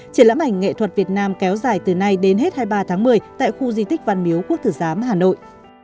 triển lãm ảnh nghệ thuật việt nam kéo dài từ nay đến hết hai mươi ba tháng một mươi tại khu di tích văn miếu quốc tử giám hà nội